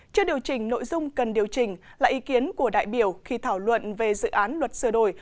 chưa điều chỉnh nội dung cần điều chỉnh là ý kiến của đại biểu khi thảo luận về dự án luật sửa đổi